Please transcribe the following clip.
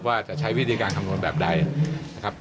ว่าจะใช้วิธีการคำนวณแบบใดนะครับ